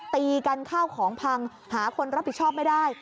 ตีกันข้าวของพังหาคนรับผิดชอบไม่ได้